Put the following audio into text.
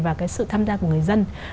và cái sự tham gia của người dân